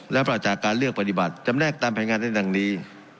และปราศจากการเลือกปฏิบัติจำแนกตามแผนงานในดังนี้